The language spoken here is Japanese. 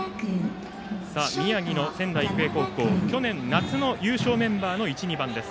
宮城の仙台育英高校去年夏の優勝メンバーの１、２番です。